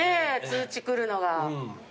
通知来るのが。